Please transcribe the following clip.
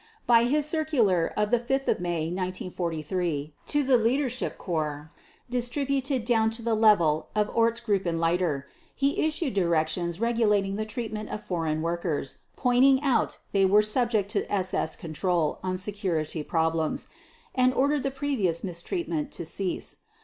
By his circular of 5 May 1943 to the Leadership Corps, distributed down to the level of Ortsgruppenleiter, he issued directions regulating the treatment of foreign workers, pointing out they were subject to SS control on security problems, and ordered the previous mistreatment to cease.